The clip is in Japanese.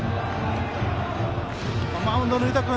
マウンドの湯田君